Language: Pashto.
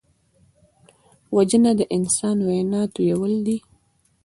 وژنه د انسان وینه تویول دي